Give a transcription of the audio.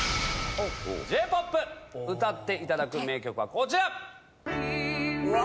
歌っていただく名曲はこちら！